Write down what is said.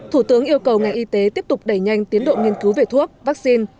thủ tướng yêu cầu ngành y tế tiếp tục đẩy nhanh tiến độ nghiên cứu về thuốc vaccine